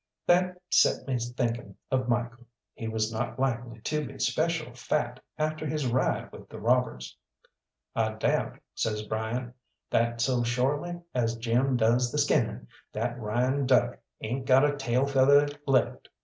That set me thinking of Michael. He was not likely to be special fat after his ride with the robbers. "I doubt," says Bryant, "that so shorely as Jim does the skinning, that Ryan duck ain't got a tail feather left."